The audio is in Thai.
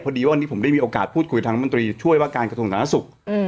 พอดีว่าอันนี้ผมได้มีโอกาสพูดคุยกับทางมันตรีช่วยว่าการกระถุงธนสุข